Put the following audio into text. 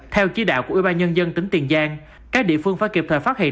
theo chỉ đạo của ubnd tỉnh tiền giang các địa phương phải kịp thời phát hiện